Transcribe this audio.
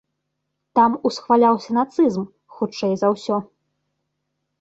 Там усхваляўся нацызм, хутчэй за ўсё.